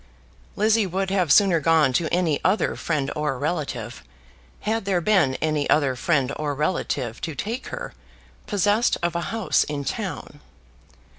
Lizzie would have sooner gone to any other friend or relative, had there been any other friend or relative to take her possessed of a house in town.